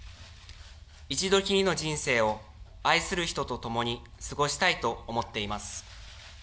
一度きりの人生を愛する人とともに過ごしたいと思っています。